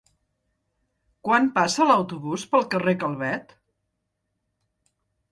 Quan passa l'autobús pel carrer Calvet?